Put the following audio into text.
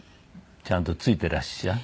ちゃんとついていらっしゃい。